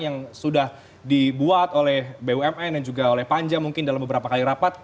yang sudah dibuat oleh bumn dan juga oleh panja mungkin dalam beberapa kali rapat